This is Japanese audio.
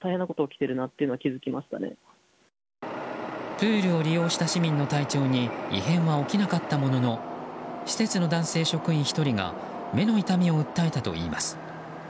プールを利用した市民の体調に異変は起きなかったものの施設の男性職員１人が目の痛みを訴えたといいます。